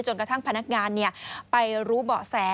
กระทั่งพนักงานไปรู้เบาะแส